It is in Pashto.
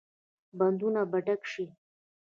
بندونه به ډک شي؟